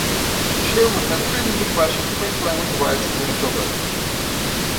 Sherman had previously questioned French-language rights in Manitoba.